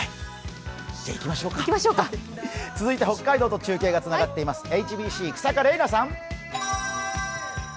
続いて北海道と中継がつながっていますＨＢＣ、日下怜奈さん。